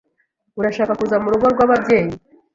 Urashaka kuza murugo rwababyeyi?